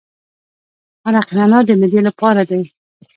عرق نعنا د معدې لپاره دی.